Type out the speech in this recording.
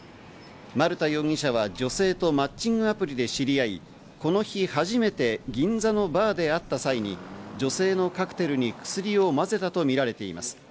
丸田容疑者は女性とマッチングアプリで知り合い、この日初めて銀座のバーで会った際に、女性のカクテルに薬を混ぜたとみられています。